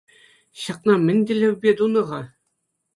Ҫакна мӗн тӗллевпе тунӑ-ха?